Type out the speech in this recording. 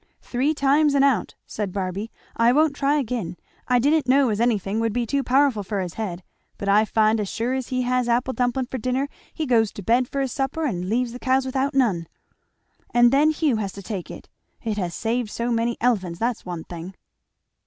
"Three times and out," said Barby. "I won't try again. I didn't know as anything would be too powerful for his head; but I find as sure as he has apple dumplin' for dinner he goes to bed for his supper and leaves the cows without none. And then Hugh has to take it. It has saved so many Elephants that's one thing."